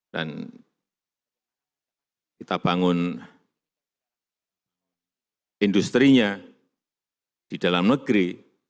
dan kita bangun industri nya di dalam negeri